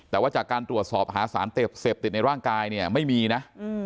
แต่ว่าจากการตรวจสอบหาสารเสพติดในร่างกายเนี่ยไม่มีนะ